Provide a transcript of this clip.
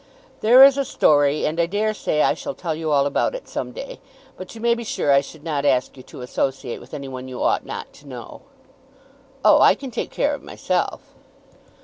"There is a story, and I dare say I shall tell you all about it some day. But you may be sure I should not ask you to associate with any one you ought not to know." "Oh, I can take care of myself."